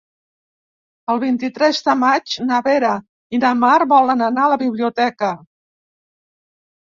El vint-i-tres de maig na Vera i na Mar volen anar a la biblioteca.